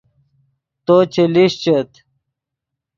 تو چے لیشچیت